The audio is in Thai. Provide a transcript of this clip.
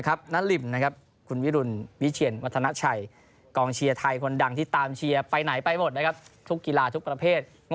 ใครไม่ไปก็ผมก็ไปของผมเดียวขนของไปเอง